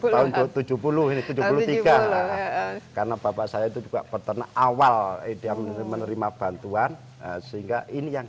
tahun tujuh puluh tujuh puluh tiga karena bapak saya itu juga peternak awal ide menerima bantuan sehingga ini yang